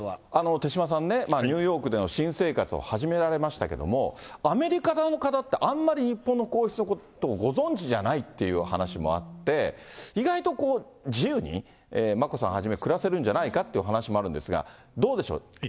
手嶋さんね、ニューヨークでの新生活を始められましたけども、アメリカ側の方って、あんまり日本の皇室のことをご存じじゃないという話もあって、意外とこう、自由に眞子さんはじめ、暮らせるんじゃないかという話もあるんですが、どうでしょう？